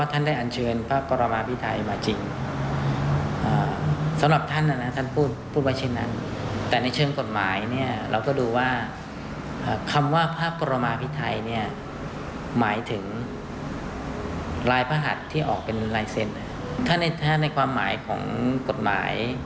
ที่ออกเป็นลายเซ็นต์ถ้าในความหมายของกฎหมาย